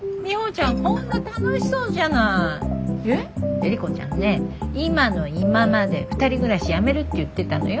エリコちゃんね今の今まで２人暮らしやめるって言ってたのよ。